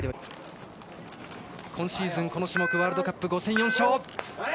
今シーズン、この種目ワールドカップ５戦４勝。